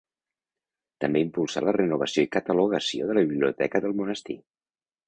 També impulsà la renovació i catalogació de la biblioteca del monestir.